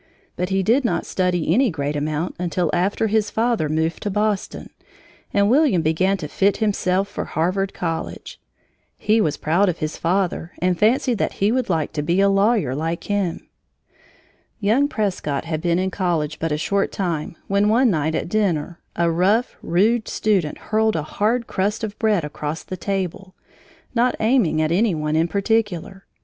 But he did not study any great amount until after his father moved to Boston, and William began to fit himself for Harvard College. He was proud of his father and fancied that he would like to be a lawyer like him. [Illustration: The poor fellow fell to the floor as if he were dead. Page 166.] Young Prescott had been in college but a short time when, one night at dinner, a rough, rude student hurled a hard crust of bread across the table, not aiming at any one in particular.